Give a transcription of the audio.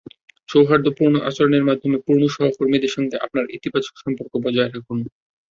সৌহার্দ্যপূর্ণ আচরণের মাধ্যমে পুরোনো সহকর্মীদের সঙ্গে আপনার ইতিবাচক সম্পর্ক বজায় রাখুন।